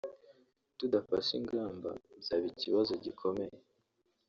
tudafashe ingamba byaba ikibazo gikomeye